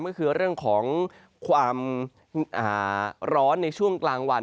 ก็คือเรื่องของความร้อนในช่วงกลางวัน